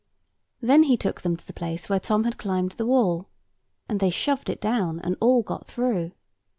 Then he took them to the place where Tom had climbed the wall; and they shoved it down, and all got through.